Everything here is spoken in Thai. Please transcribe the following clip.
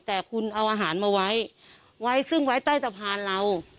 แต่คุณเอาอาหารมาไว้ซึ่งไว้ใต้สะพานเรา